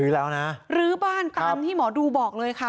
ลื้อบ้านตามที่หมอดูบอกเลยค่ะ